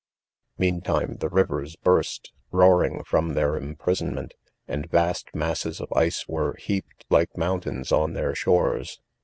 6 Meantime, the rivers burst, roaring from their imprisonment, and vast masses of ice were, heaped 1 like mountains on their shores.